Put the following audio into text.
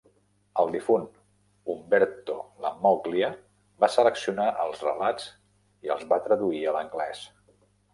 El difunt Umberto Lammoglia va seleccionar els relats i els va traduir a l'anglès.